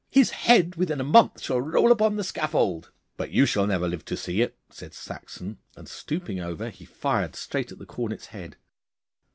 'His head within a month shall roll upon the scaffold.' 'But you shall never live to see it,' said Saxon, and stooping over he fired straight at the cornet's head.